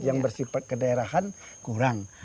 yang bersifat kedaerahan kurang